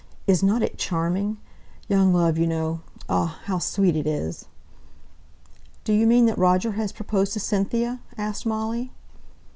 Isn't it charming? Young love, you know, ah, how sweet it is!" "Do you mean that Roger has proposed to Cynthia?" asked Molly.